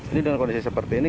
ini dengan kondisi seperti ini